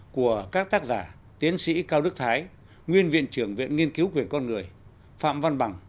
của các tác giả tiến sĩ cao đức thái nguyên viện trưởng viện nghiên cứu quyền con người phạm văn bằng